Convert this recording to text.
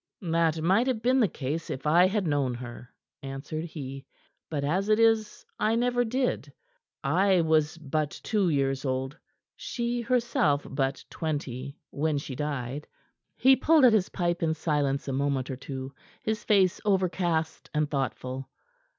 "That might have been the case if I had known her," answered he. "But as it is, I never did. I was but two years old she, herself, but twenty when she died." He pulled at his pipe in silence a moment or two, his face overcast and thoughtful.